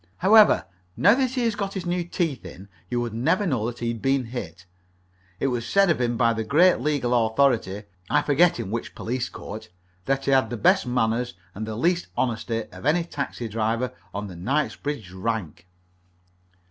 However, now that he has got his new teeth in you would never know that he had been hit. It was said of him by a great legal authority I forget in which police court that he had the best manners and the least honesty of any taxi driver on the Knightsbridge rank.